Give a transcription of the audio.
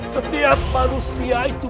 setiap manusia itu